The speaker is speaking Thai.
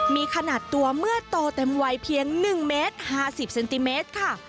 มีขนาดตัวเมื่อโตเต็มวัยเพียง๑เมตร๕๐เซนติเมตรค่ะ